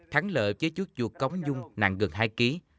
thắng lợi với chú chuột cống dâm nặng gần hai kg